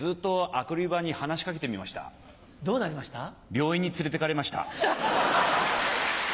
病院に連れてかれました。